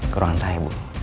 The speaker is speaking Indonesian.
ke ruangan saya bu